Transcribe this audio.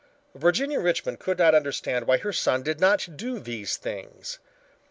Virginia Richmond could not understand why her son did not do these things.